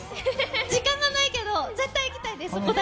時間がないけど絶対行きたいです！